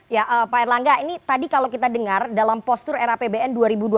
ya pak erlangga ini tadi kalau kita dengar dalam postur era apbn dua ribu dua puluh